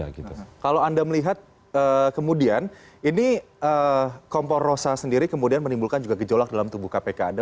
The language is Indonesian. kalau anda melihat kemudian ini kompor rosa sendiri kemudian menimbulkan juga gejolak dalam tubuh kpk